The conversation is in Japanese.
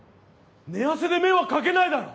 寝汗で迷惑かけないだろ！